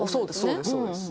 そうですそうです。